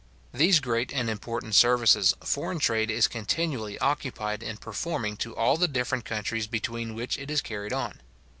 These great and important services foreign trade is continually occupied in performing to all the different countries between which it is carried on.